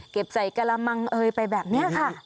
ใส่กระมังเอยไปแบบนี้ค่ะ